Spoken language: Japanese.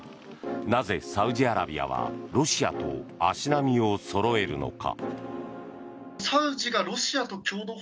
なぜサウジアラビアはロシアと足並みをそろえるのか。